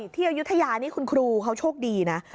อายุทยานี่คุณครูเขาโชคดีนะ